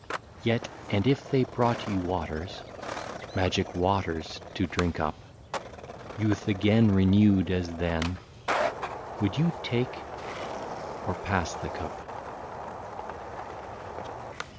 58 Yet, and if they brought you waters, Magic waters to drink up, — Youth again, renewed as then — Would you take or pass the cup